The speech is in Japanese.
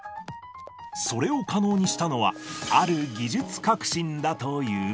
それを可能にしたのは、ある技術革新だという。